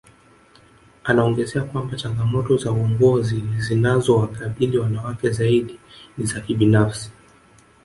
Anaongezea kwamba changamoto za uongozi zinazowakabili wanawake zaidi ni za kibinafsi